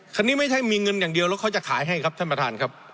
ไม่ใช่มีเงินอย่างเดียวแล้วเขาจะขายให้ครับท่านประธานครับ